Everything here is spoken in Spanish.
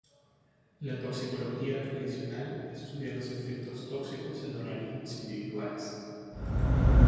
La toxicología tradicional estudia los efectos tóxicos en organismos individuales.